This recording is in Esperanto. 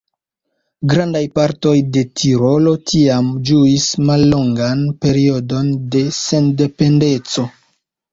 Grandaj partoj de Tirolo tiam ĝuis mallongan periodon de sendependeco.